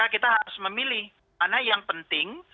kita harus memilih mana yang penting